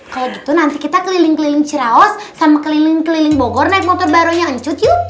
kalau gitu nanti kita keliling keliling ciraos sama keliling keliling bogor naik motor barunya hancur yuk